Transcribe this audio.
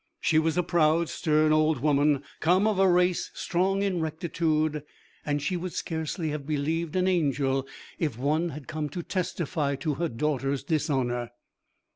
She was a proud, stern, old woman, come of a race strong in rectitude, and she would scarcely have believed an angel if one had come to testify to her daughter's dishonour.